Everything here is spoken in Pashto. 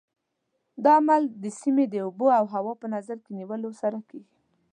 دا عمل د سیمې د اوبو او هوا په نظر کې نیولو سره کېږي.